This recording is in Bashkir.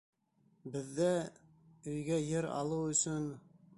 Беҙҙә... өйгә ер алыу өсөн...